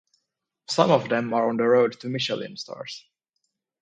Some of them are on the road to Michelin stars.